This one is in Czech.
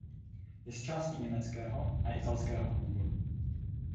Je z části německého a italského původu.